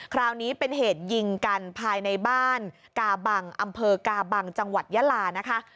คราวนี้เป็นเหตุยิงกันภายในบ้านกาบังอำเภอกาบังจังหวัดยาลานะคะ